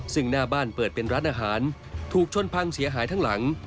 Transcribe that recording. ซึ่งหน้าบ้านเปิดเป็นร้านอาหารถูกชนพังเสียหายทั้งหลัง